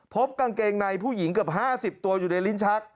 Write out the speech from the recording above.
พบกางเกงในผู้หญิงเกือบ๕๐ตัวอยู่ในลิ้นชัก